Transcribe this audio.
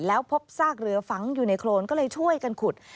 แล้วพบซากเรือฝังอยู่ในโครนก็เลยช่วยกันขุด